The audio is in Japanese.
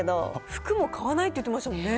服も買わないって言ってましたよね。